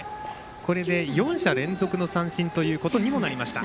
これで４者連続の三振ということにもなりました。